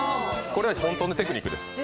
これは本当のテクニックです。